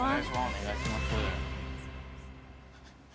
お願いします。